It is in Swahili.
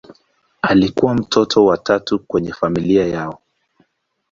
Alikuwa mtoto wa tatu kwenye familia yao.